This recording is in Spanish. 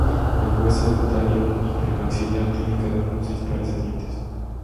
El hueso dentario y premaxilar tienen cada uno seis pares de dientes.